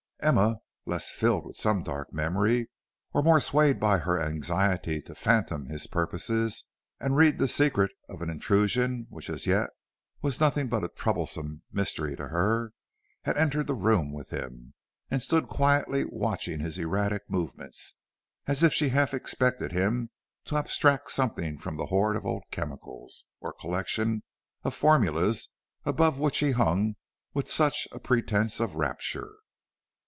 Emma, less filled with some dark memory, or more swayed by her anxiety to fathom his purposes, and read the secret of an intrusion which as yet was nothing but a troublous mystery to her, had entered the room with him, and stood quietly watching his erratic movements, as if she half expected him to abstract something from the hoard of old chemicals or collection of formulas above which he hung with such a pretence of rapture.